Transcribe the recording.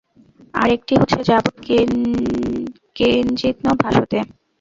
আর একটি হচ্ছে– যাবৎ কিঞ্চিন্ন ভাষতে।